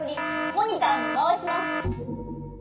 モニターにまわします。